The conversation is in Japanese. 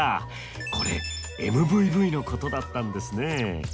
これＭＶＶのことだったんですね。